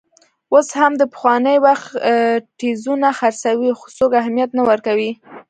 اوس هم د پخواني وخت ټیزونه خرڅوي، خو څوک اهمیت نه ورکوي.